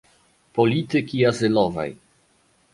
Polityki Azylowej